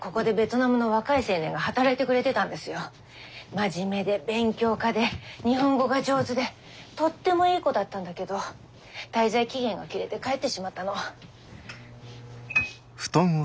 真面目で勉強家で日本語が上手でとってもいい子だったんだけど滞在期限が切れて帰ってしまったの。